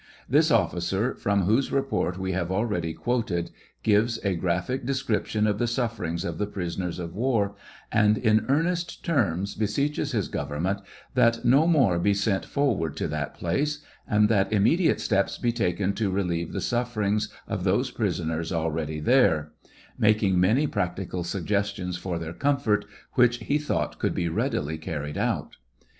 This officer, from whose report we have already quoted, _ gives a graphic description of the sufferings of the prisoners of war, and in earnest terms beseeches his government that no more be sent forward to that place, and that immediate steps be taken to relieve the sufferings of those prisoners already there ; making many practical suggestions for their comfort which he thought 758 TEIAL OF HENRY WIEZ. could be readily carried out.